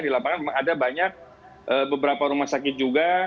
di lapangan memang ada banyak beberapa rumah sakit juga